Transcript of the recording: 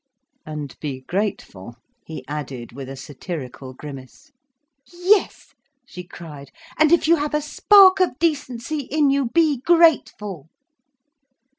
"And be grateful," he added, with a satirical grimace. "Yes," she cried, "and if you have a spark of decency in you, be grateful."